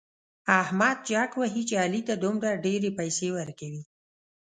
احمد جک وهي چې علي ته دومره ډېرې پيسې ورکوي.